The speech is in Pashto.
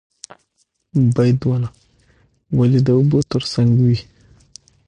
بید ونه ولې د اوبو تر څنګ وي؟